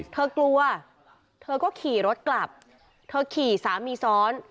เธอกลัวเธอก็ขี่รถกลับเธอขี่สามีซ้อน